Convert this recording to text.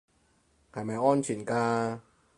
係咪安全㗎